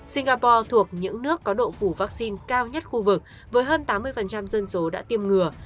singapore thuộc những nước có độ phủ vaccine cao nhất khu vực với hơn tám mươi dân số đã tiêm ngừa